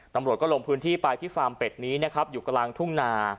ตำรวจก็ลงพื้นที่ไปที่ฟาร์มเป็ดนี้นะครับอยู่กลางทุ่งนา